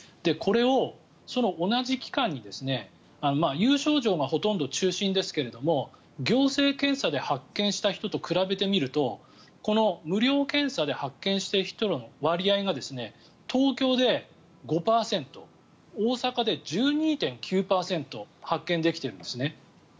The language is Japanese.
これを同じ期間に有症状がほとんど中心ですけど行政検査で発見した人と比べてみるとこの無料検査で発見した人の割合が東京で５％大阪で１２．９％発見できているんですね。